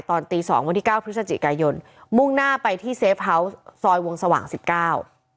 ตอนตีสองวันที่เก้าพฤศจิกายนมุ่งหน้าไปที่เซฟเฮาส์ซอยวงสว่างสิบเก้า